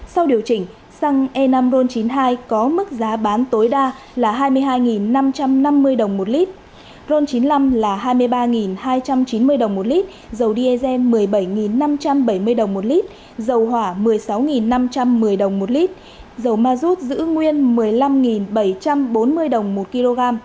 sau điều chỉnh xăng e năm ron chín mươi hai có mức giá bán tối đa là hai mươi hai năm trăm năm mươi đồng một lít ron chín mươi năm là hai mươi ba hai trăm chín mươi đồng một lít dầu diesel một mươi bảy năm trăm bảy mươi đồng một lít dầu hỏa một mươi sáu năm trăm một mươi đồng một lít dầu ma rút giữ nguyên một mươi năm bảy trăm bốn mươi đồng một kg